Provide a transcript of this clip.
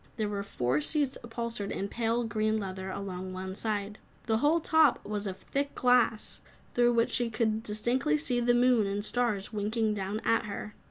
There were four seats upholstered in pale, green leather, along one side. The whole top was of thick glass, through which she could distinctly see the moon and stars winking down at her.